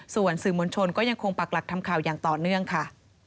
ส่วนสื่อมวลชนก็ยังคงปักหลักทำข่าวอย่างต่อเนื่องค่ะ